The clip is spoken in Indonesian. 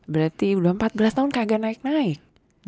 berarti udah empat belas tahun kagak naik naik